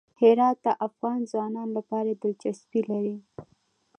هرات د افغان ځوانانو لپاره دلچسپي لري.